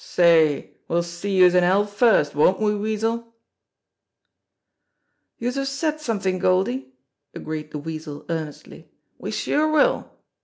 Say, we'll see youse in hell first, won't we, Weasel ?" "Youse have said somethin', Goldie!" agreed the Weasel earnestly. "We sure will